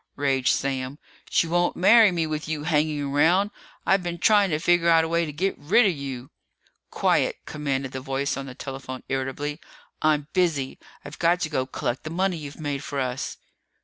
raged Sam. "She won't marry me with you hanging around! I've been trying to figure out a way to get rid of you " "Quiet!" commanded the voice on the telephone irritably. "I'm busy. I've got to go collect the money you've made for us."